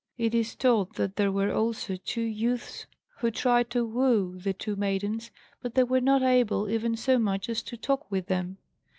It is told that there were also two youths who tried to woo the two maidens, but they were not able even so much as to talk with them.